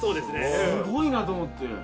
すごいなと思って。